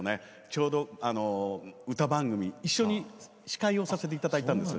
ちょうど歌番組一緒に司会をさせていただいたんです。